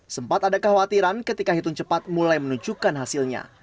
sempat ada kekhawatiran ketika hitung cepat mulai menunjukkan hasilnya